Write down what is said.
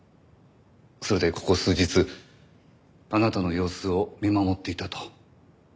それでここ数日あなたの様子を見守っていたと。